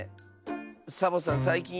サボさんさいきん